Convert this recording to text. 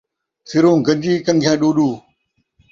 سروں گن٘جی ، کن٘گھیاں ݙو ݙو